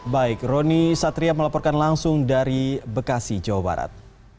baik roni satria melaporkan langsung dari bekasi jawa barat